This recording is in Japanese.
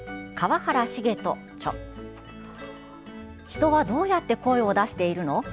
人はどうやって声を出しているの？